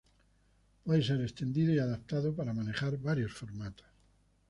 Puede ser extendido y adaptado para manejar varios formatos.